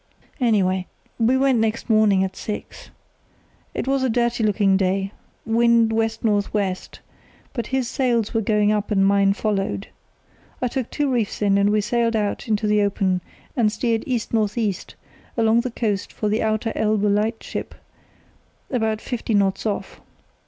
"Anyway, we went next morning at six. It was a dirty looking day, wind W.N.W., but his sails were going up and mine followed. I took two reefs in, and we sailed out into the open and steered E.N.E. along the coast for the Outer Elbe Lightship about fifty knots off.